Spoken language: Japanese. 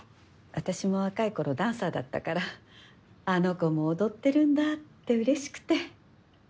あたしも若いころダンサーだったからあの子も踊ってるんだってうれしくて。